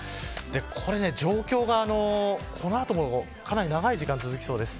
この状況がこの後も長い時間続きそうです。